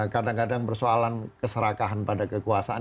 kadang kadang persoalan keserakahan pada kekuasaan